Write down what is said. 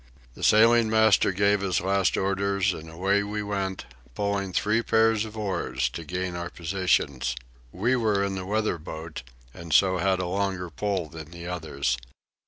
The sailing master gave his last orders, and away we went, pulling three pairs of oars to gain our positions. We were in the weather boat, and so had a longer pull than the others.